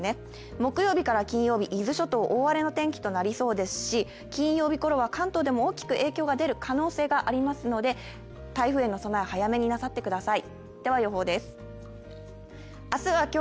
木曜日から金曜日、伊豆諸島大荒れの天気となりそうですし、金曜日ころは関東でも大きな影響が出るおそれがありますので、台風への備え、早めになさってください。